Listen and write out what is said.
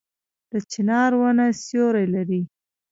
د چنار ونه سیوری لري